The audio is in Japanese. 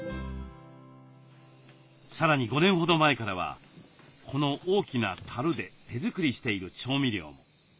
さらに５年ほど前からはこの大きなたるで手作りしている調味料も。